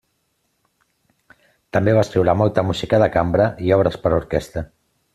També va escriure molta música de cambra i obres per a orquestra.